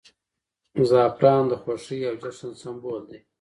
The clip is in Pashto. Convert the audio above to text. زعفران د خوښۍ او جشن سمبول دی.